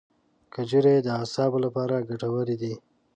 کجورې د اعصابو لپاره ګټورې دي.